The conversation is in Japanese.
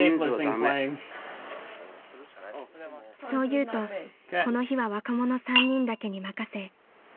［そう言うとこの日は若者３人だけに任せ］